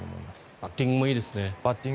バッティングもいいですね。